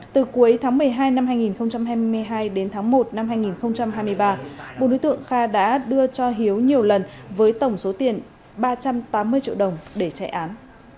từ cuối tháng một mươi hai năm hai nghìn hai mươi hai đến tháng một năm hai nghìn hai mươi ba bộ đối tượng kha đã đưa cho hiếu nhiều lần với tổng số tiền ba trăm tám mươi triệu đồng để chạy án